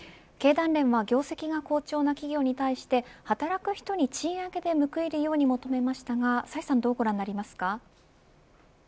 経団連は業績が好調な企業に対して働く人に賃上げで報いるように求めましたがどうご覧になりますか。